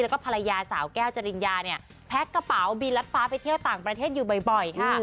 แล้วก็ภรรยาสาวแก้วจริญญาเนี่ยแพ็คกระเป๋าบินรัดฟ้าไปเที่ยวต่างประเทศอยู่บ่อยค่ะ